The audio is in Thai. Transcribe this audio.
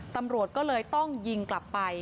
ตำรวจก็เลยต้องยิงกลับไป